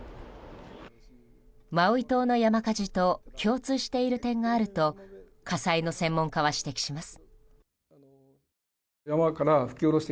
マウイ島の山火事と共通している点があると火災の専門家は指摘します。